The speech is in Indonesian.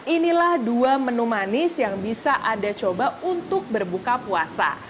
inilah dua menu manis yang bisa anda coba untuk berbuka puasa